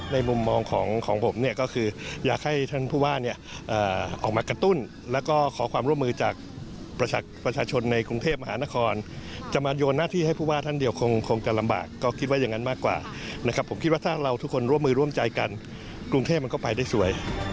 มุมมองของผมเนี่ยก็คืออยากให้ท่านผู้ว่าเนี่ยออกมากระตุ้นแล้วก็ขอความร่วมมือจากประชาชนในกรุงเทพมหานครจะมาโยนหน้าที่ให้ผู้ว่าท่านเดียวคงจะลำบากก็คิดว่าอย่างนั้นมากกว่านะครับผมคิดว่าถ้าเราทุกคนร่วมมือร่วมใจกันกรุงเทพมันก็ไปได้สวย